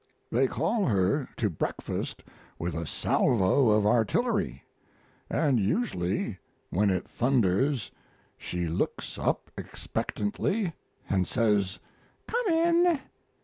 They call her to breakfast with a salvo of artillery; and usually when it thunders she looks up expectantly and says, "Come in."